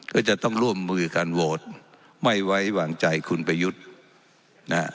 ก็จะต้องร่วมมือการโหวตไม่ไว้วางใจคุณประยุทธ์นะฮะ